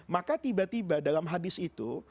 maka tiba tiba dalam hadis itu